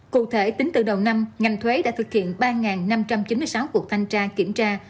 cụ thể tính từ đầu năm ngành thuế đã thực hiện ba năm trăm chín mươi sáu cuộc thanh tra kiểm tra